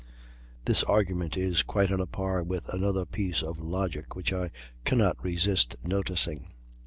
This argument is quite on a par with another piece of logic which I cannot resist noticing.